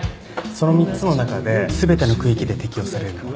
その３つの中で全ての区域で適用されるのは？